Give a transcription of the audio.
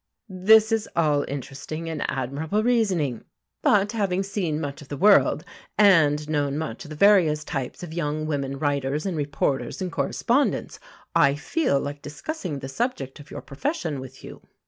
This is all interesting and admirable reasoning. But, having seen much of the world, and known much of the various types of young women writers and reporters and correspondents, I feel like discussing the subject of your profession with you.